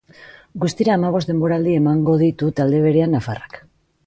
Guztira hamabost denboraldi emango ditu talde berean nafarrak.